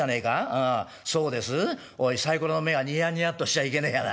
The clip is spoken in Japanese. ああ『そうです』？おいサイコロの目がニヤニヤっとしちゃいけねえがな。